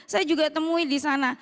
saya juga temui di sana